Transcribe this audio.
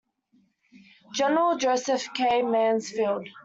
General Joseph K. Mansfield.